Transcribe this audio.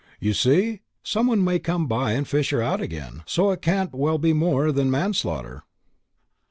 You see, some one may come by and fish her out again; so it can't well be more than manslaughter."